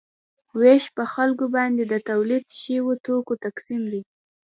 ویش په خلکو باندې د تولید شویو توکو تقسیم دی.